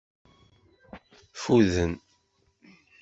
Ffuden.